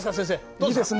いいですね。